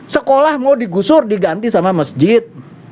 sekolah mau digusur diganti sama masjid